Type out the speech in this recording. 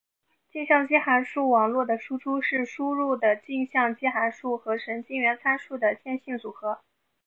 径向基函数网络的输出是输入的径向基函数和神经元参数的线性组合。